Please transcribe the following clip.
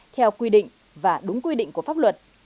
theo quy định và đúng quy định của pháp luật